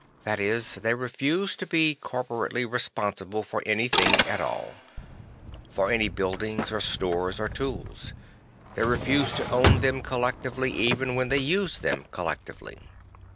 That is, they refused to be corporately responsible for anything at all; for any buildings or stores or tools; they refused to own them collectively even when they used them collectively.